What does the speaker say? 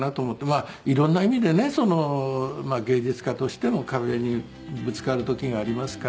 まあ色んな意味でね芸術家としての壁にぶつかる時がありますから。